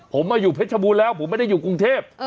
ผมมาอยู่เพชรบูรณ์แล้วผมไม่ได้อยู่กรุงเทพ